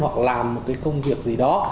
hoặc là một cái công việc gì đó